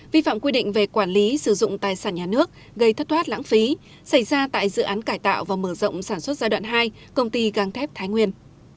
vi phạm quy định về quản lý sử dụng tài sản nhà nước gây thất thoát lãng phí xảy ra tại dự án cải tạo và mở rộng sản xuất giai đoạn hai công ty găng thép thái nguyên